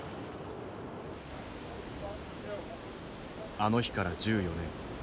あの日から１４年。